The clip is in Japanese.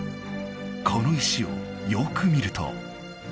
この石をよく見ると。